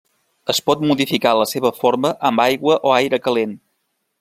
Es pot modificar la seva forma amb aigua o aire calent.